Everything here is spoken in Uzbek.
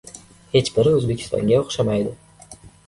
— Hech biri O‘zbekistonga o‘xshamaydi.